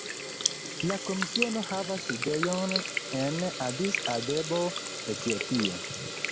La Komisiono havas sidejon en Adis-Abebo, Etiopio.